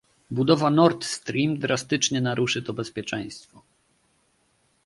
Budowa Nord Stream drastycznie naruszy to bezpieczeństwo